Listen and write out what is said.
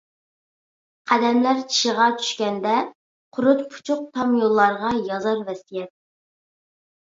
قەدەملەر چىشىغا چۈشكەندە قۇرۇت، پۇچۇق تام يوللارغا يازار ۋەسىيەت.